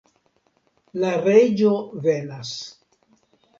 La reĝo venas.